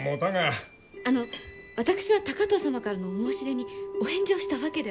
あの私は高藤様からのお申し出にお返事をしたわけでは。